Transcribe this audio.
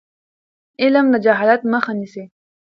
علم د جهالت مخه نیسي.